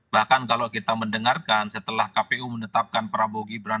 bahkan kalau kita mendengarkan setelah kpu menetapkan prabowo gibran